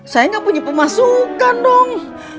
saya nggak punya pemasukan dong